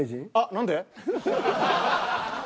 何で？